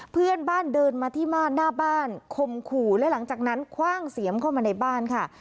เพื่อนบ้านเดินมาที่ม่านหน้าบ้านคมขู่และหลังจากนั้นคว่างเสียมเข้ามาในบ้านค่ะ